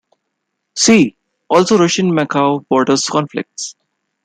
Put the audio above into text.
See also Russian-Manchu border conflicts.